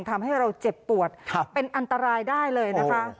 ทำให้เราเจ็บปวดเป็นอันตรายได้เลยนะคะ